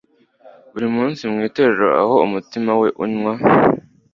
Buri munsi mu Itorero aho umutima we unywa